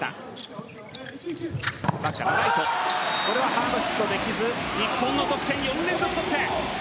これはハードヒットできず日本の得点、４連続得点。